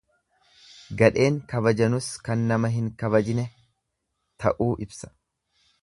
Gadheen kabajanus kan nama hin kabjine ta'uu ibsa.